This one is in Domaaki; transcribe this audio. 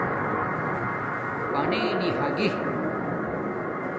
پاننی ھاگی